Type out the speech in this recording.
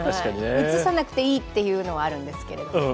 うつさなくていいっていうのありますけどね